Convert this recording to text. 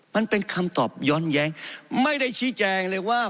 มันเป็นคำตอบย้อนแย้งไม่ได้ชี้แจงเลยว่า